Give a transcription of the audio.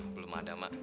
belum ada mak